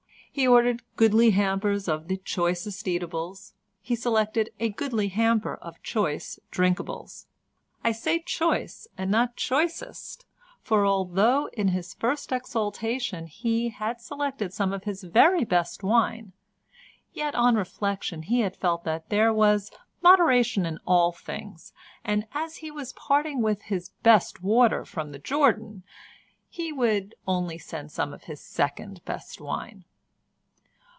He ordered goodly hampers of the choicest eatables, he selected a goodly hamper of choice drinkables. I say choice and not choicest, for although in his first exaltation he had selected some of his very best wine, yet on reflection he had felt that there was moderation in all things, and as he was parting with his best water from the Jordan, he would only send some of his second best wine.